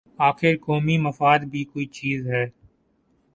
آخر قومی مفاد بھی کوئی چیز ہے۔